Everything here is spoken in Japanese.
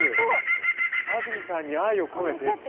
あずみさんに愛を込めてって。